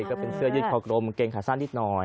ก็เป็นเสื้อยืดคอกรมกางเกงขาสั้นนิดหน่อย